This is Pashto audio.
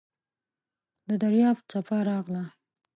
د دریاب څپه راغله .